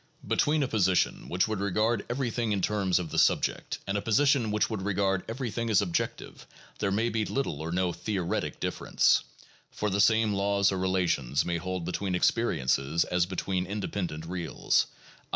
Between a position which would regard every thing in terms of the subject and a position which would regard every thing as objective, there may be very little or no theoretic difference, for the same laws or relations may hold between "experiences" as between "independent reals," i.